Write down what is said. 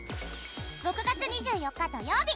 ６月２４日土曜日